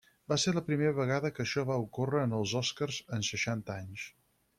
Va ser la primera vegada que això va ocórrer en els Oscars en seixanta anys.